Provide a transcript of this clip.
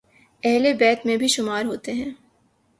اہل بیت میں بھی شمار ہوتے ہیں